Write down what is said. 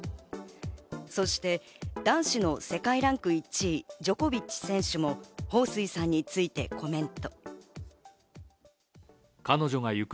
そして男子の世界ランク１位ジョコビッチ選手もホウ・スイさんについてコメント。